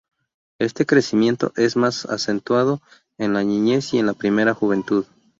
Este crecimiento es más acentuado en la niñez y en la primera juventud.